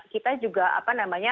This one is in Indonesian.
kita juga ada ruang juga